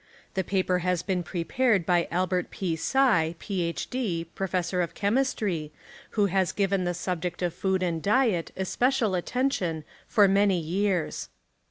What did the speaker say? The paper has been prepared by Albert P. Sy, Ph.D., Professor of Chemistry, who has given the subject of food and diet especial attention for many 3'ears.